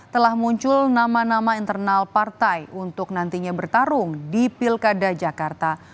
telah muncul nama nama internal partai untuk nantinya bertarung di pilkada jakarta